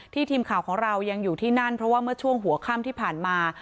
ทีมข่าวของเรายังอยู่ที่นั่นเพราะว่าเมื่อช่วงหัวค่ำที่ผ่านมา